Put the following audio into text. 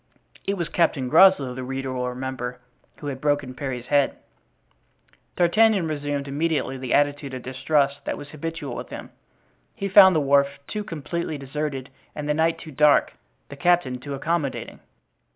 It was Captain Groslow, the reader will remember, who had broken Parry's head. D'Artagnan resumed immediately the attitude of distrust that was habitual with him. He found the wharf too completely deserted, the night too dark, the captain too accommodating.